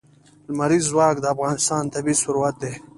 لمریز ځواک د افغانستان طبعي ثروت دی.